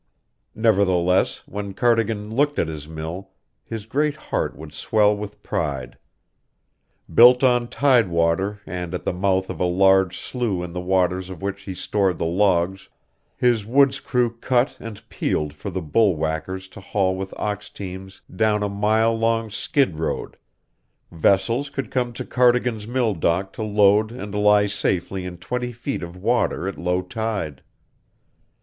Nevertheless, when Cardigan looked at his mill, his great heart would swell with pride. Built on tidewater and at the mouth of a large slough in the waters of which he stored the logs his woods crew cut and peeled for the bull whackers to haul with ox teams down a mile long skid road, vessels could come to Cardigan's mill dock to load and lie safely in twenty feet of water at low tide.